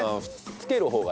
つける方が。